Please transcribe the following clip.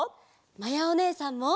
まやおねえさんも！